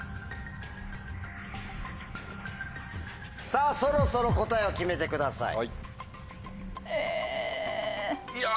さぁそろそろ答えを決めてください。